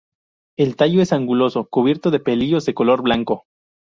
El tallo es anguloso, cubierto de pelillos de color blanco.